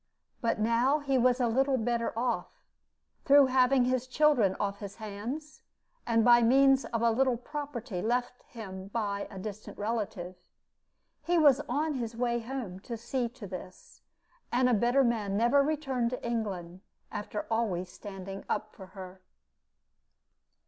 But now he was a little better off, through having his children off his hands, and by means of a little property left him by a distant relative. He was on his way home to see to this; and a better man never returned to England, after always standing up for her.